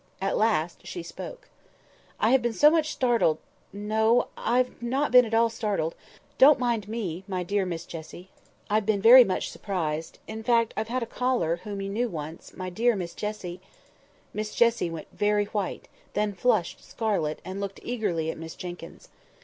At last she spoke. "I have been so much startled—no, I've not been at all startled—don't mind me, my dear Miss Jessie—I've been very much surprised—in fact, I've had a caller, whom you knew once, my dear Miss Jessie"— Miss Jessie went very white, then flushed scarlet, and looked eagerly at Miss Jenkyns.